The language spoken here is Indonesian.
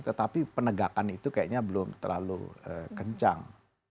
tetapi penegakan itu kayaknya belum terlalu kencang